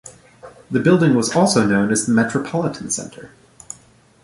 The building was also known as the Metropolitan Center.